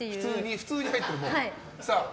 普通に入ってると。